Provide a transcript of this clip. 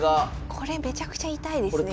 これめちゃくちゃ痛いですね。